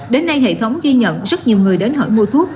đến nay hệ thống ghi nhận rất nhiều người đến hỏi mua thuốc